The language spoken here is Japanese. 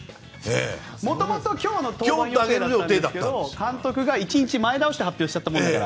元々、今日の登板予定だったんですけど監督が１日前倒して発表しちゃったものだから。